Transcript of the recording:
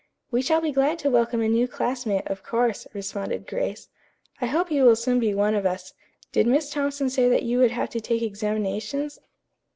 "We shall be glad to welcome a new classmate, of course," responded Grace. "I hope you will soon be one of us. Did Miss Thompson say that you would have to take examinations?"